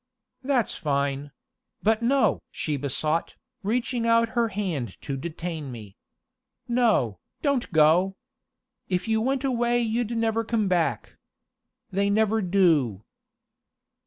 "That's fine but no!" she besought, reaching out her hand to detain me. "No, don't go! If you went away you'd never come back. They never do."